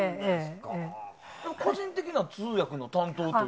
個人的に通訳の担当って。